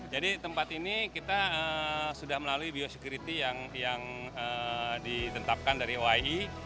jadi tempat ini kita sudah melalui biosecurity yang ditetapkan dari oih